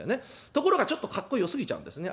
ところがちょっとかっこよすぎちゃうんですね。